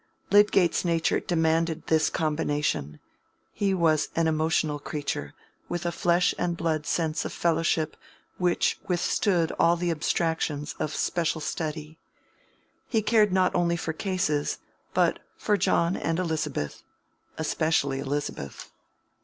Lydgate's nature demanded this combination: he was an emotional creature, with a flesh and blood sense of fellowship which withstood all the abstractions of special study. He cared not only for "cases," but for John and Elizabeth, especially Elizabeth.